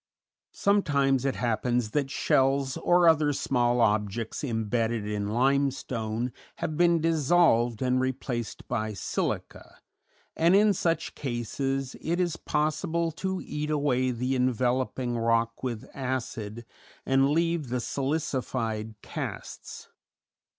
_] Sometimes it happens that shells or other small objects imbedded in limestone have been dissolved and replaced by silica, and in such cases it is possible to eat away the enveloping rock with acid and leave the silicified casts.